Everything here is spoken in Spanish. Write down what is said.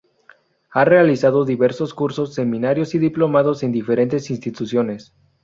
Ha realizado diversos cursos, seminarios y diplomados en diferentes instituciones.